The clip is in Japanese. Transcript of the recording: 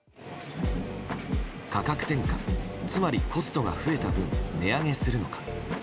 価格転嫁、つまりコストが増えた分値上げするのか。